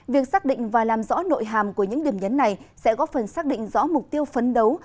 việc xác định và làm rõ nội hàm của những điểm nhấn này sẽ góp phần xác định rõ mục tiêu phấn đấu